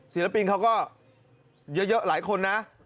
ศิลปินเขาก็เยอะหลายคนนะ